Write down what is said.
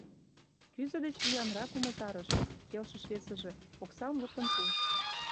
— Кӱзӧ деч виянрак умылтарыш, — келшыш весыже, оксам луктын пуыш.